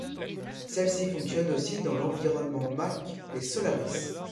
Celle-ci fonctionne aussi dans l'environnement Mac et Solaris.